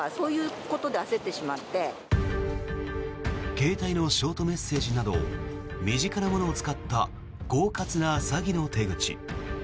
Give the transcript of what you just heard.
携帯のショートメッセージなど身近なものを使ったこうかつな詐欺の手口。